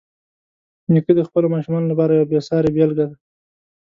نیکه د خپلو ماشومانو لپاره یوه بېسارې بېلګه ده.